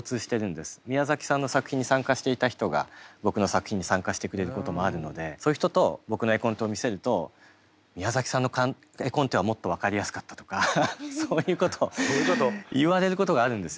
宮崎さんの作品に参加していた人が僕の作品に参加してくれることもあるのでそういう人と僕の絵コンテを見せると「宮崎さんの絵コンテはもっと分かりやすかった」とかそういうことを言われることがあるんですよ。